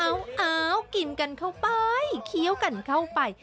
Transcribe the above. กินกันเข้าไปเคี้ยวกันเข้าไป